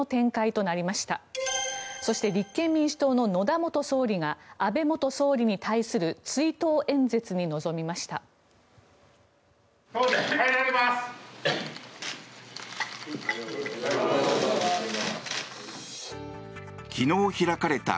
そして立憲民主党の野田元総理が安倍元総理に対する追悼演説に臨みました。